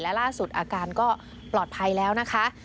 และล่าสุดอาการก็ปลอดภัยแล้วนะคะ